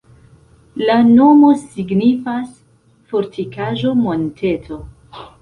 La nomo signifas: fortikaĵo-monteto.